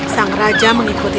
sang raja mengikuti